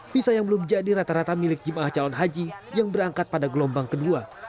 visa yang belum jadi rata rata milik jemaah calon haji yang berangkat pada gelombang kedua